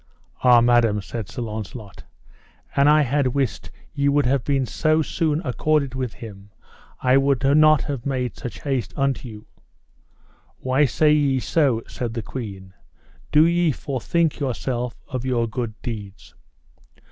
Ah madam, said Sir Launcelot, an I had wist ye would have been so soon accorded with him I would not have made such haste unto you. Why say ye so, said the queen, do ye forthink yourself of your good deeds?